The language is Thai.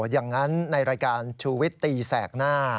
อย่างนั้นในรายการชูวิตตีแสกหน้า